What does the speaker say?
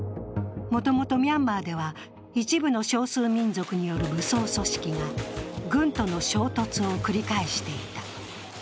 もともとミャンマーでは、一部の少数民族による武装組織が軍との衝突を繰り返していた。